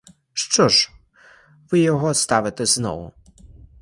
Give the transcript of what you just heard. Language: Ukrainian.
Що ж, ви його ставите знову?